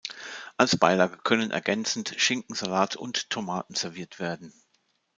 Als Beilage können ergänzend Schinken, Salat und Tomaten serviert werden.